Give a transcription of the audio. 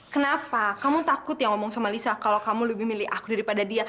kenapa kamu takut ya ngomong sama lisa kalau kamu lebih milih aku daripada dia